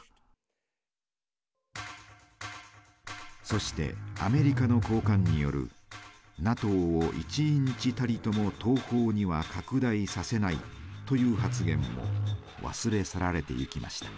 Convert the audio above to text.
そしてアメリカの高官による「ＮＡＴＯを１インチたりとも東方には拡大させない」という発言も忘れ去られていきました。